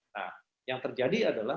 nah yang terjadi adalah